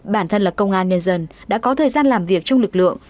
bản thân là công an nhân dân đã có thời gian làm việc trong lực lượng